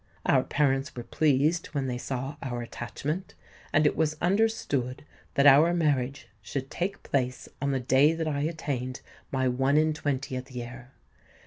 Our parents were pleased when they saw our attachment; and it was understood that our marriage should take place on the day that I attained my one and twentieth year.